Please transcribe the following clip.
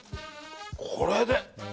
これで！